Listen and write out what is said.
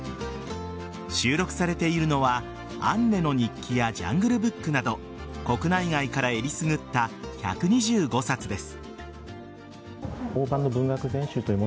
収録されているのは「アンネの日記」や「ジャングル・ブック」など国内外からえりすぐった１２５冊です。